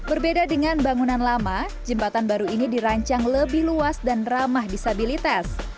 berbeda dengan bangunan lama jembatan baru ini dirancang lebih luas dan ramah disabilitas